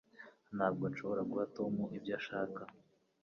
Ntabwo nshobora guha Tom ibyo ashaka